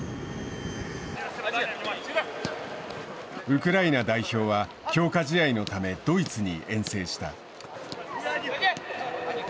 ウクライナ代表は強化試合のためドイツに遠征した。